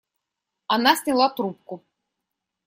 Она сняла трубку.